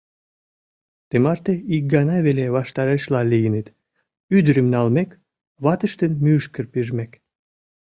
Тымарте ик гана веле ваштарешла лийыныт: ӱдырым налмек, ватыштын мӱшкыр пижмек.